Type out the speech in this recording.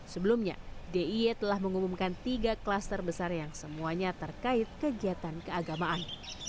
sebelumnya d i e telah mengumumkan tiga klaster besar yang semuanya terkait kegiatan keagamaan